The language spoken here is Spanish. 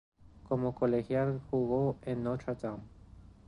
Como colegial jugo en Notre Dame.